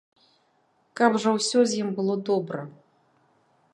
Каб жа ўсё з ім было добра!